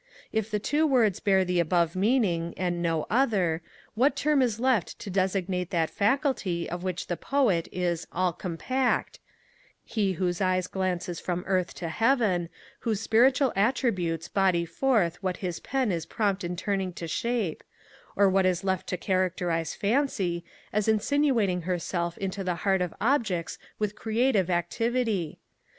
If the two words bear the above meaning, and no other, what term is left to designate that faculty of which the Poet is 'all compact;' he whose eyes glances from earth to heaven, whose spiritual attributes body forth what his pen is prompt in turning to shape; or what is left to characterize Fancy, as insinuating herself into the heart of objects with creative activity?